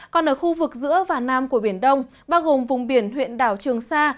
còn ở khu vực giữa và nam của biển đông bao gồm vùng biển huyện đảo trường sa